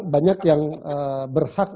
banyak yang berhak